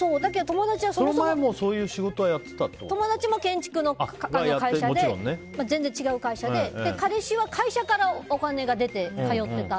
その前も、そういう仕事は友達も建築の会社で全然違う会社で、彼氏は会社からお金が出て通ってた。